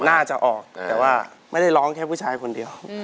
น่าจะออกแต่ว่าไม่ได้ร้องแค่ผู้ชายคนเดียว